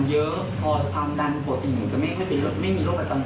เพราะเวลาเราจะไปชิดยา